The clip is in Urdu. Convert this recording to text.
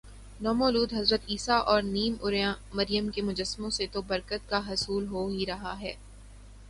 نومولود حضرت عیسی ؑ اور نیم عریاں مریم ؑ کے مجسموں سے تو برکت کا حصول ہو ہی رہا ہے